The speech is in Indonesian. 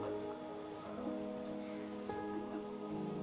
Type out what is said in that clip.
tak ada lagi wujud yang federal dateng